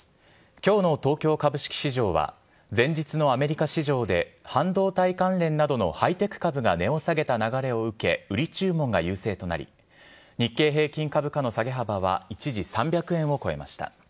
きょうの東京株式市場は、前日のアメリカ市場で半導体関連などのハイテク株が値を下げた流れを受け、売り注文が優勢となり、日経平均株価の下げ幅は一時３００円を超えました。